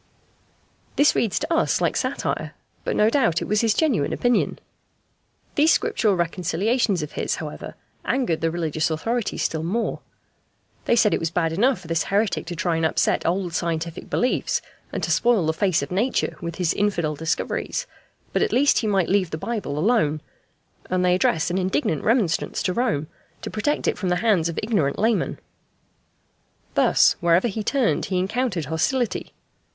This reads to us like satire, but no doubt it was his genuine opinion. These Scriptural reconciliations of his, however, angered the religious authorities still more. They said it was bad enough for this heretic to try and upset old scientific beliefs, and to spoil the face of Nature with his infidel discoveries, but at least he might leave the Bible alone; and they addressed an indignant remonstrance to Rome, to protect it from the hands of ignorant laymen. Thus, wherever he turned he encountered hostility.